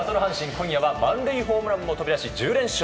今夜は満塁ホームランも飛び出し１０連勝。